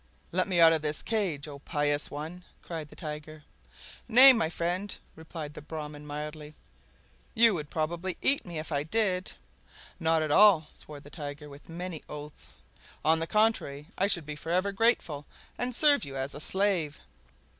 "Let me out of this cage, oh pious one!" cried the Tiger. "Nay, my friend," replied the Brahman mildly, you would probably eat me if I did." "Not at all!" swore the Tiger with many oaths; "on the contrary, I should be forever grateful, and serve you as a slave!"